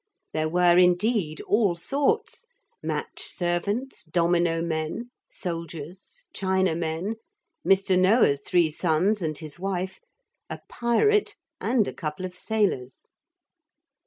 There were indeed all sorts, match servants, domino men, soldiers, china men, Mr. Noah's three sons and his wife, a pirate and a couple of sailors.